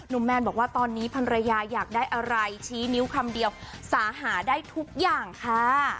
แมนบอกว่าตอนนี้ภรรยาอยากได้อะไรชี้นิ้วคำเดียวสาหาได้ทุกอย่างค่ะ